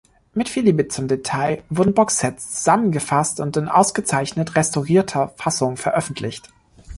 Mit viel Liebe zum Detail wurden Boxsets zusammengefasst und in ausgezeichnet restaurierter Fassung veröffentlicht.